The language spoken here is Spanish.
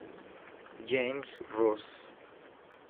James Ross